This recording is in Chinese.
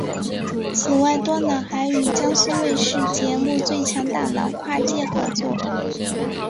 此外端脑还与江苏卫视节目最强大脑跨界合作。